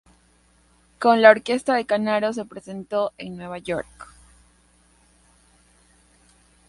Con la orquesta de Canaro se presentó en Nueva York.